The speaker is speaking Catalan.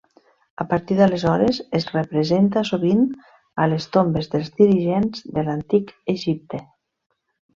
A partir d'aleshores, es representa sovint a les tombes dels dirigents de l'antic Egipte.